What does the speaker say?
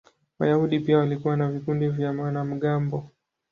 Wayahudi pia walikuwa na vikundi vya wanamgambo.